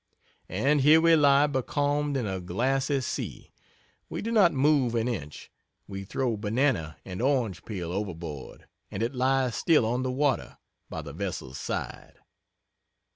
And here we lie becalmed on a glassy sea we do not move an inch we throw banana and orange peel overboard and it lies still on the water by the vessel's side.